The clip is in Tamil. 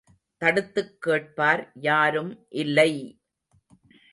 தடுத்துக் கேட்பார் யாரும் இல்லை!